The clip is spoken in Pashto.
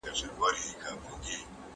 ايا انسانان بې عیبه کيدای سي؟